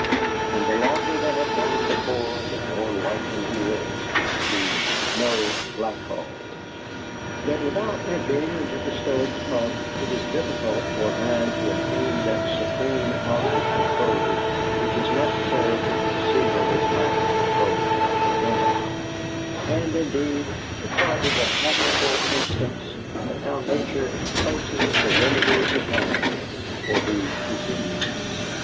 And the longer they have gone before the more likely he is to receive no blackballs. Yet without entering into the Stoics' Club it is difficult for a man to attain that supreme outward control which is necessary to conceal his lack of control within; and, indeed, the club is an admirable instance of how Nature places the remedy to hand for the disease.